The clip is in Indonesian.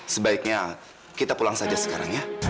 sebaiknya kita pulang saja sekarang ya